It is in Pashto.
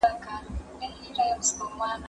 زه اوس مينه څرګندوم!!